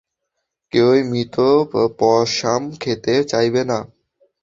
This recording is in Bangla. কেউই মৃত পসাম খেতে চাইবে না।